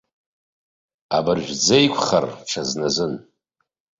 Абыржә дзеиқәхар, ҽазназын.